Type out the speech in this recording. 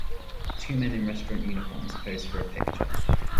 Two men in restaurant uniforms pose for a picture.